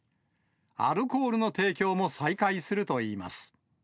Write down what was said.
アルコールの提供も再開するといいます。